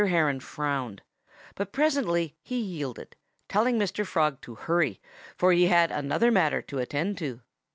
Heron frowned. But presently he yielded, telling Mr. Frog to hurry, for he had another matter to attend to.